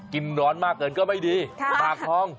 นอนมากเกินก็ไม่ดีปากทอง